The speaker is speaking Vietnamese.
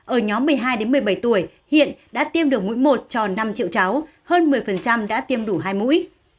ở nhóm một mươi hai một mươi bảy tuổi hiện đã tiêm được mũi một cho năm triệu cháu hơn một mươi đã tiêm đủ hai mũi